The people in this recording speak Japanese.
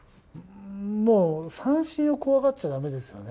もう、三振を怖がっちゃだめですよね。